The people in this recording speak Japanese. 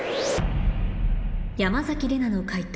山崎怜奈の解答